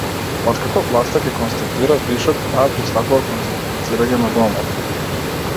Откако власта ќе констатира вишок, таа пристапува кон дезинфицирање на домот.